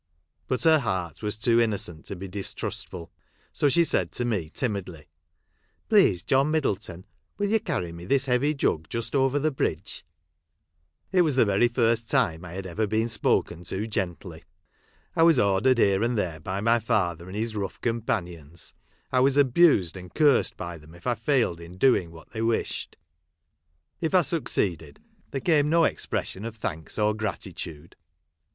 But her heart was too innocent to be distrustful ; so she said to me timidly, " Please, John Middleton, will you carry me this heavy jug just over the bridge ?" It was the very first time I had ever been spoken to gently. I was ordered here and there by my father and his rough companions ; I was abused and cursed by them if I failed in doing what they wished ; if I succeeded, there came no expression of thanks or gratitude.